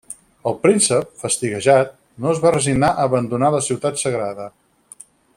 El príncep, fastiguejat, no es va resignar a abandonar la ciutat sagrada.